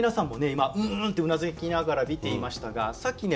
今うんうんってうなずきながら見ていましたがさっきね